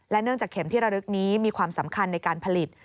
เนื่องจากเข็มที่ระลึกนี้มีความสำคัญในการผลิต